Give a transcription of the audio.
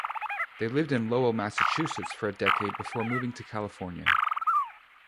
They lived in Lowell, Massachusetts, for a decade before moving to California.